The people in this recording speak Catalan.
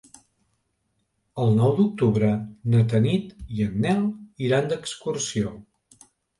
El nou d'octubre na Tanit i en Nel iran d'excursió.